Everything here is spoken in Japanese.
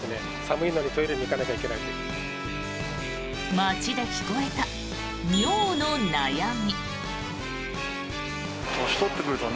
街で聞こえた尿の悩み。